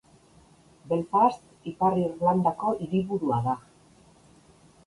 Belfast Ipar Irlandako hiriburua da.